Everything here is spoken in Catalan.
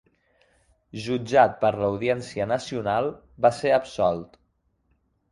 Jutjat per l'Audiència Nacional va ser absolt.